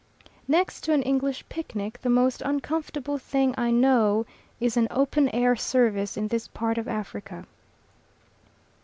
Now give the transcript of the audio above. Next to an English picnic, the most uncomfortable thing I know is an open air service in this part of Africa.